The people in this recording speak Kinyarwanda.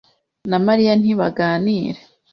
na Mariya ntibaganira.